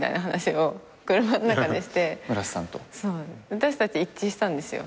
私たち一致したんですよ。